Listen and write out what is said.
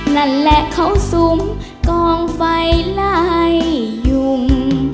นั่นแหละเขาซุมกองไฟไล่ยุง